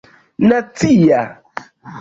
nacia